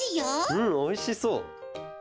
うんおいしそう！